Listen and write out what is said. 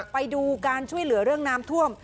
ไปดูการช่วยเหลือเรื่องน้ำท่วม